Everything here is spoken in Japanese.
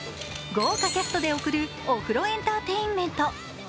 豪華キャストで送るお風呂エンターテインメント。